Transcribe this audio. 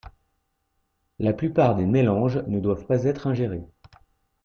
La plupart des mélanges ne doivent pas être ingérés.